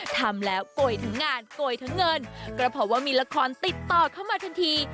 ทำแล้วโกยถึงงานโกยทั้งเงินก็เพราะว่ามีละครติดต่อเข้ามาทันที